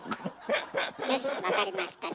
よしわかりました。